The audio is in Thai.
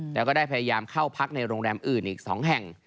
แล้วก็ได้พยายามเข้าพักในโรงแรมอื่นอีก๒แห่ง